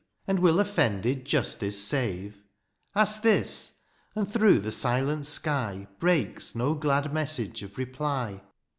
"And will offended justice save ?" Ask this ! and through the silent sky, " Breaks no glad message of reply.